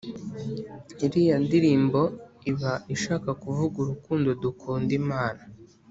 Iriya ndirimbo Iba ishaka kuvuga urukundo dukunda Imana